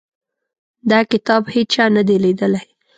دا کتاب هیچا نه دی لیدلی.